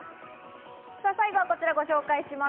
最後はこちらをご紹介します。